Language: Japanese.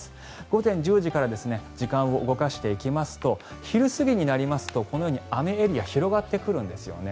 午前１０時から時間を動かしていきますと昼過ぎになりますとこのように雨エリアは広がってくるんですよね。